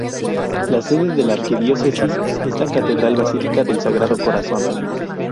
La sede de la Arquidiócesis es la Catedral Basílica del Sagrado Corazón.